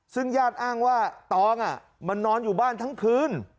ซึ่งญาติอ้างว่าตองมันนอนอยู่บ้านทั้งคืน